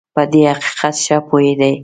په دې حقیقت ښه پوهېدی.